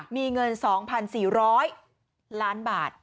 มีเงิน๒๔๐๐ล้านบาท